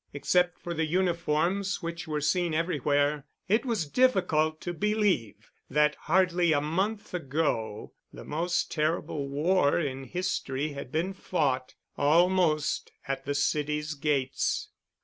Except for the uniforms, which were seen everywhere, it was difficult to believe that hardly a month ago the most terrible war in history had been fought, almost at the city's gates.